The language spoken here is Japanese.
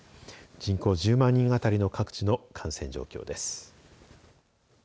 人口１０万人あたりの各地の感染状況です。